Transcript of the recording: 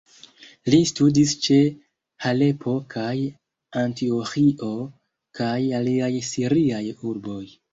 Li studis ĉe Halepo kaj Antioĥio kaj aliaj siriaj urboj.